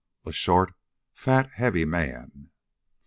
A short, fat, heavy man.